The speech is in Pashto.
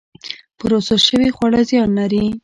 پروسس شوي خواړه زیان لري